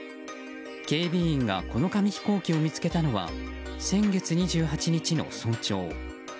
警備員がこの紙飛行機を見つけたのは先月２８日の早朝。